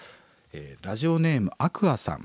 ラジオネームアクアさん。